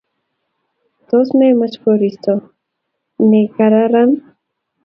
Tos, memache koristo negararan?